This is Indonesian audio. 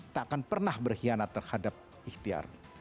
tak akan pernah berkhianat terhadap ikhtiar